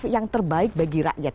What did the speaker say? yang terbaik bagi rakyat